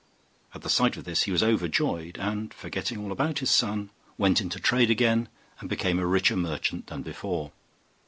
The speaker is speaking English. At the sight of this he was overjoyed, and forgetting all about his son, went into trade again, and became a richer merchant than before.